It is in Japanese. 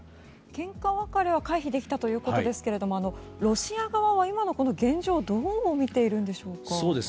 けんか別れは回避できたということですがロシア側は今の現状をどう見ているんでしょうか。